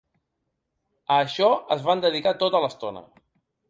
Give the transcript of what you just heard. A això es van dedicar tota l’estona.